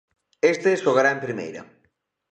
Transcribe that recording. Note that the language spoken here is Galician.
Este xogará en Primeira.